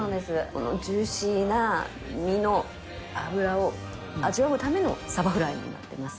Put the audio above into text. このジューシーな身の脂を味わうためのサバフライになってます。